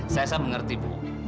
saya sangat mengerti ma